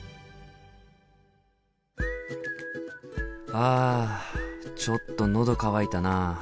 あちょっと喉渇いたな。